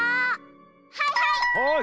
はいはい！